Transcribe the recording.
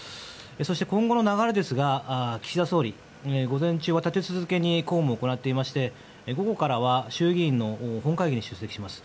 そして今後の流れですが岸田総理、午前中は立て続けに公務を行っていまして午後からは衆議院の本会議に出席します。